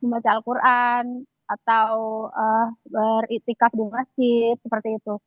membaca al quran atau beriktikaf di masjid seperti itu